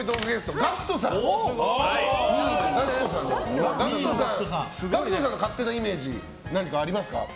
ＧＡＣＫＴさんの勝手なイメージ何かありますか？